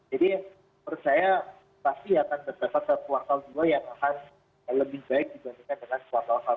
jadi menurut saya pasti akan berdapat kuartal dua